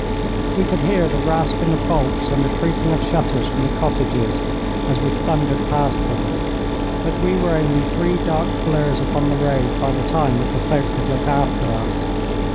We could hear the rasping of bolts and the creaking of shutters from the cottages as we thundered past them, but we were only three dark blurs upon the road by the time that the folk could look after us.